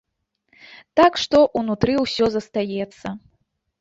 Так што ўнутры ўсё застаецца.